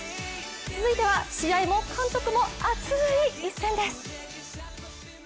続いては、試合も監督も熱い一戦です。